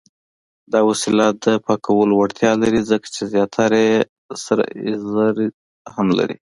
دا وسیله د پاکولو وړتیا لري، ځکه چې زیاتره یې سره ایریزر هم لري.